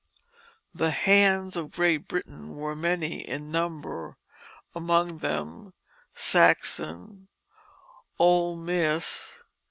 The "hands of Great Britain" were many in number; among them Saxon, Old Mss.